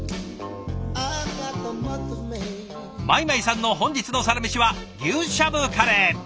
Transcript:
米舞さんの本日のサラメシは牛しゃぶカレー。